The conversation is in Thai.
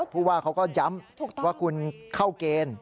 ผู้ว่าเขาก็ย้ำว่าคุณเข้าเกณฑ์